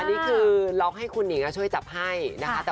อันนี้คือล็อกให้คุณหญิงช่วยจับให้นะคะ